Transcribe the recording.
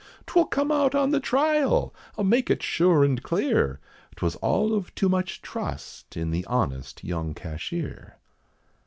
'Twill come out on the trial, I'll make it sure and clear, 'Twas all of too much trust in the honest young cashier."